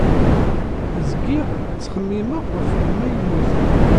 Zgiɣ ttxemmimeɣ ɣef yemma yemmuten.